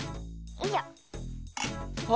よいしょ。